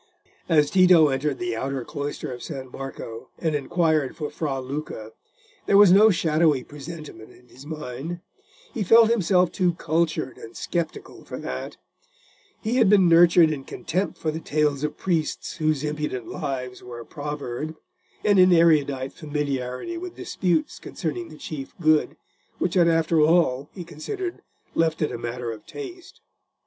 As Tito entered the outer cloister of San Marco, and inquired for Fra Luca, there was no shadowy presentiment in his mind: he felt himself too cultured and sceptical for that: he had been nurtured in contempt for the tales of priests whose impudent lives were a proverb, and in erudite familiarity with disputes concerning the Chief Good, which had after all, he considered, left it a matter of taste.